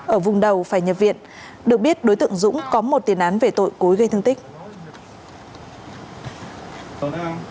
ở vùng đầu phải nhập viện được biết đối tượng dũng có một tiền án về tội cối gây thương tích